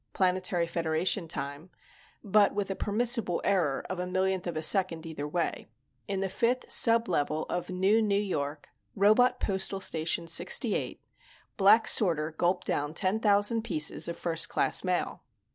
Planetary Federation Time but with a permissible error of a millionth of a second either way in the fifth sublevel of NewNew York Robot Postal Station 68, Black Sorter gulped down ten thousand pieces of first class mail.